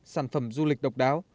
sản phẩm du lịch độc đáo